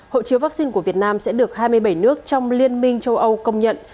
hộ chiếu vaccine của việt nam sẽ được hai mươi bảy nước trong liên minh châu âu công nhận